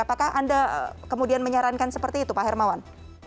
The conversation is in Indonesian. apakah anda kemudian menyarankan seperti itu pak hermawan